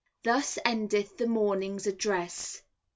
Thus endeth the morning's address.